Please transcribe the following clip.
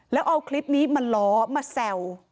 แล้วเอาคลิปนี้มาล้อมาแซว